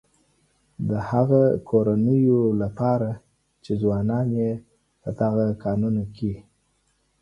د هغه کورنيو لپاره چې ځوانان يې په دغه کانونو کې.